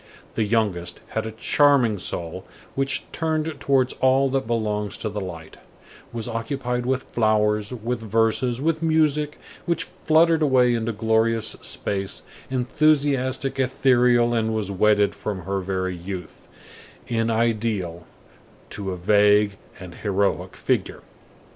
The youngest had a charming soul, which turned towards all that belongs to the light, was occupied with flowers, with verses, with music, which fluttered away into glorious space, enthusiastic, ethereal, and was wedded from her very youth, in ideal, to a vague and heroic figure.